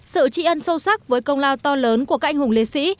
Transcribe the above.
sự tri ân sâu sắc với công lao to lớn của các anh hùng liệt sĩ